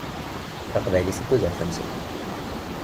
D taqbaylit i d tudert-nsen.